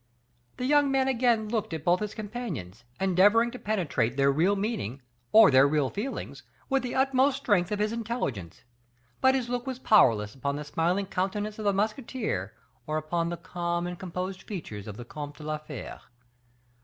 The young man again looked at both his companions, endeavoring to penetrate their real meaning or their real feelings with the utmost strength of his intelligence; but his look was powerless upon the smiling countenance of the musketeer or upon the calm and composed features of the Comte de la Fere.